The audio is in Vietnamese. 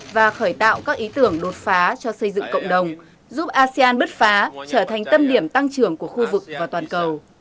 và khởi tạo các ý tưởng đột phá cho xây dựng cộng đồng giúp asean bứt phá trở thành tâm điểm tăng trưởng của khu vực và toàn cầu